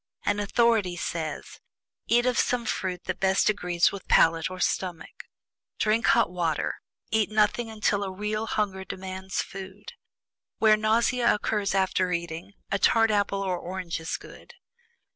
An authority says: "Eat of some fruit that best agrees with palate or stomach; drink hot water; eat nothing until a real hunger demands food. Where nausea occurs after eating, a tart apple or orange is good."